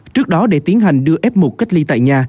trước đó để tiến hành đưa f một cách ly tại nhà